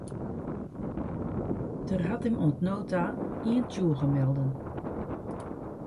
Der hat him oant no ta ien tsjûge melden.